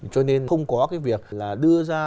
cho nên không có cái việc là đưa ra